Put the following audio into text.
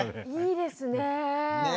いいですね。